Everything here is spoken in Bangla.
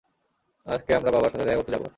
আজকে আমরা বাবার সাথে দেখা করতে যাব।